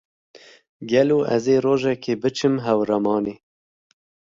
Gelo ez ê rojekê biçim Hewramanê.